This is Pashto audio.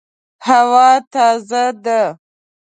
هوا تازه ده